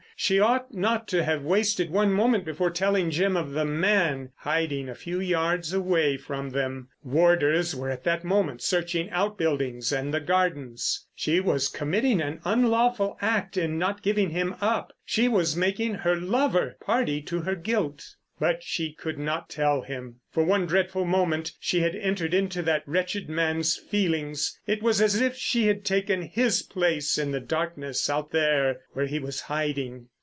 She ought not to have wasted one moment before telling Jim of the man hiding a few yards away from them. Warders were at that moment searching outbuildings and the gardens. She was committing an unlawful act in not giving him up. She was making her lover party to her guilt. But she could not tell him. For one dreadful moment she had entered into that wretched man's feelings. It was as if she had taken his place in the darkness out there where he was hiding.